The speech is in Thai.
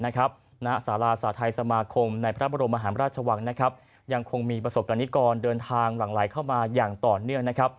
สาราสาธัยสมาคมในพระบรมหาราชวังยังคงมีประสบกรณิกรเดินทางหลั่งไหลเข้ามาอย่างต่อเนื่องนะครับ